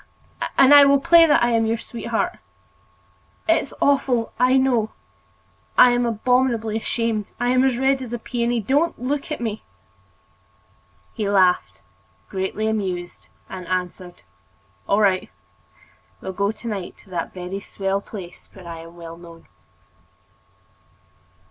And I will play that I am your sweetheart. It's awful, I know—I am abominably ashamed, I am as red as a peony. Don't look at me!" He laughed, greatly amused, and answered: "All right, we will go to night to a very swell place where I am well known."